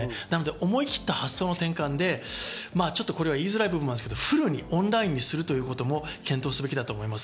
思い切った発想の転換で言いづらい部分もありますけど、フルにオンラインにするということも検討すべきだと思います。